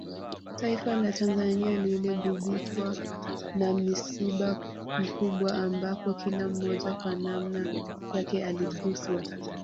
Taifa la Tanzania liligubikwa na msiba mkubwa ambapo kila mmoja kwa nanma yake aliguswa